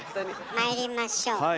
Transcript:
まいりましょうか。